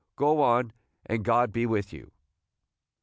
Go on, and God be with you!"